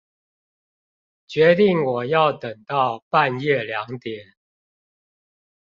決定我要等到半夜兩點